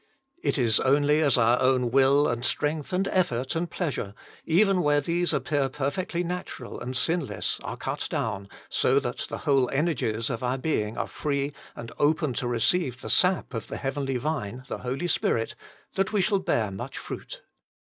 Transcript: It is only as our own will, and strength and effort and pleasure, even where these appear perfectly natural and sinless, are cut down, so that the whole energies of our being are free and open to receive the sap of the Heavenly Vine, the Holy Spirit, that we shall bear much fruit.